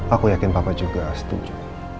aku yakin papa juga setuju